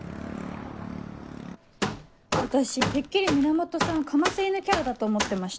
私てっきり源さんかませ犬キャラだと思ってました。